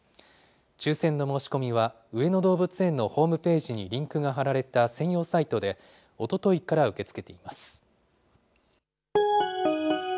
抽せんの申し込みは、上野動物園のホームページにリンクが張られた専用サイトで、おとといから受け付けています。